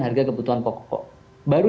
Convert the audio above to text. harga kebutuhan pokok baru